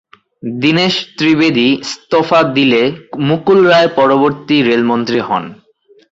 দীনেশ ত্রিবেদী ইস্তফা দিলে মুকুল রায় পরবর্তী রেলমন্ত্রী হন।